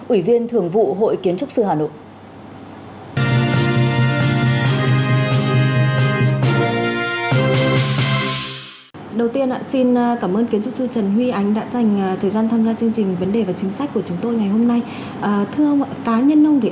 ủy viên thường vụ hội kiến trúc sư hà nội